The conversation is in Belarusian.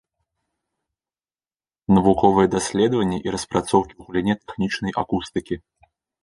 Навуковыя даследаванні і распрацоўкі ў галіне тэхнічнай акустыкі.